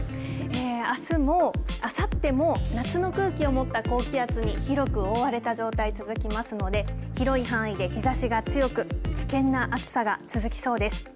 あすもあさっても夏の空気をもった高気圧に広く覆われた状態、続きますので広い範囲で日ざしが強く危険な暑さが続きそうです。